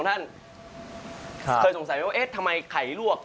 ด้านนี้คุณสงสัยว่าวีดูข้ายรวก